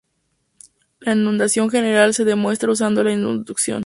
La enunciación general se demuestra usando la inducción.